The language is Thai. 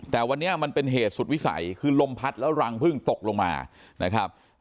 แต่วันนี้มันเป็นเหตุสุดวิสัยคือลมพัดแล้วรังพึ่งตกลงมานะครับ